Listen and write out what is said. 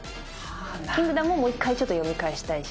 キングダムももう１回ちょっと読み返したいし。